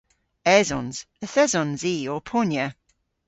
Esons. Yth esons i ow ponya.